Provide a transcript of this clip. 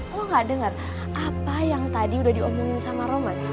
lo gak dengar apa yang tadi udah diomongin sama roman